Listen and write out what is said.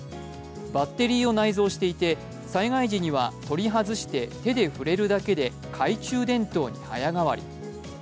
バッテリーを内蔵していて災害時には取り外して手で触れるだけで懐中電灯に早変わり。